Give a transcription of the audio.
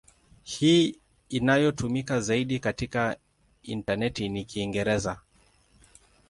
Hii inayotumika zaidi katika intaneti ni Kiingereza.